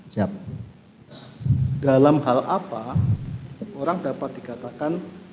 siap dalam hal apa orang dapat dikatakan